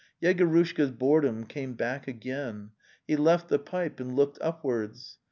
Yegorushka's boredom came back again. He left the pipe and looked upwards.